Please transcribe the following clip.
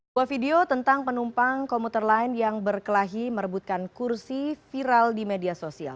buah video tentang penumpang komuter lain yang berkelahi merebutkan kursi viral di media sosial